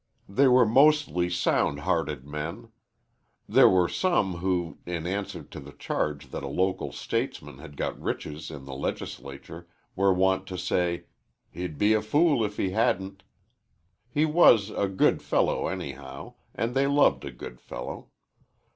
They were mostly sound hearted men. There were some who, in answer to the charge that a local statesman had got riches in the Legislature, were wont to say, "He'd be a fool if he hadn't." He was "a good fellow," anyhow, and they loved a good fellow.